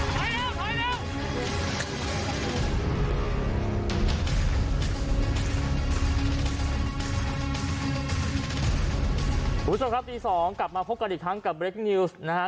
สวัสดีครับสวัสดีสองกลับมาพบกันอีกครั้งกับเบรคนิวส์นะฮะ